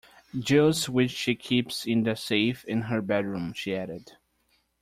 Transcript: "Jewels which she keeps in the safe in her bedroom," she added.